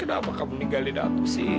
kenapa kamu ninggalin ah tuh si